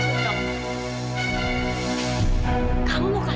kamu kasih bagian uang ke siapa